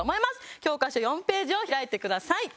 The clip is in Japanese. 教科書４ページを開いてください。